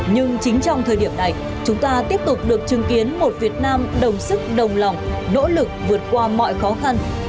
nhưng chính trong thời điểm này chúng ta tiếp tục được chứng kiến một việt nam đồng sức đồng lòng nỗ lực vượt qua mọi khó khăn